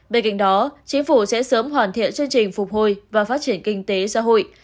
bên cạnh đó chính phủ sẽ sớm hoàn thiện chương trình phục hồi và phát triển kinh tế xã hội